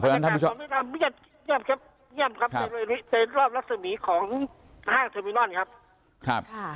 เพราะฉะนั้นท่านวิทยาพงศ์เยอมครับที่แกรกลับลักษณีย์ของห้างเทอร์เมนอลครับ